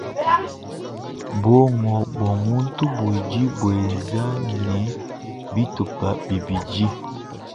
Buongo bua muntu budi buenza ne bitupa bibidi.